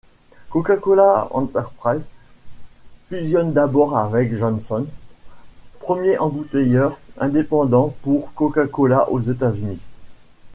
Coca-Cola Enterprise fusionne d'abord avec Johnston, premier embouteilleur indépendant pour Coca-Cola aux États-Unis.